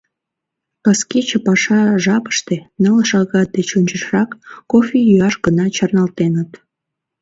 Каскече паша жапыште, ныл шагат деч ончычрак, кофе йӱаш гына чарналтеныт.